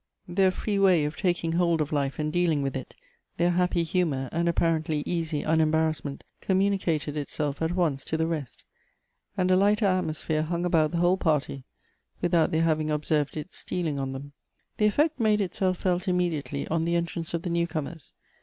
Their free way of taking hold of life and dealing with it, their happy humor, and apparent easy unembarrassment, communicated itself at once to the rest; and a lighter atmosphere hung about the whole party, without their having observed it stealing on them. The effect made itself felt immediately on the entrance of the new comers.